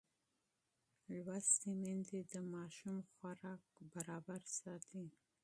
لوستې میندې د ماشوم خوراک منظم ساتي.